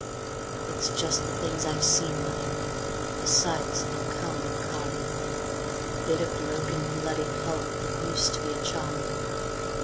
..." "It's just the things I've seen, mother, the sights that come and come, A bit o' broken, bloody pulp that used to be a chum.